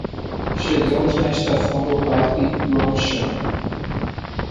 Chegamos na estação do parque Yuanshan